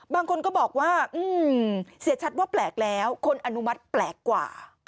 บางคนก็บอกว่าเสียชัดว่าแปลกแล้วคนอนุมัติแปลกกว่า